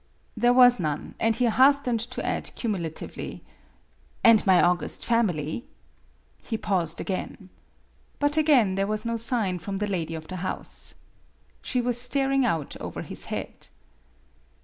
There was none, and he hastened to add cumulatively, " And my august family ?" He paused again. But again there was no sign from the lady of the house. She was staring out over his head.